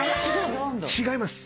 違います。